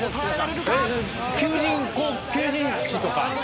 求人誌とか。